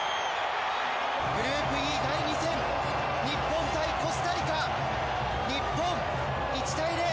グループＥ、第２戦日本対コスタリカ日本１対０